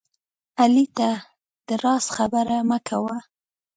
علي ته د راز خبره مه کوه